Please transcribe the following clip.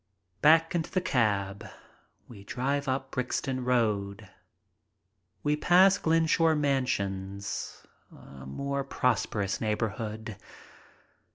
Back into the cab, we drive up Brixton Road. We pass Glenshore Mansions — a more prosperous neighborhood.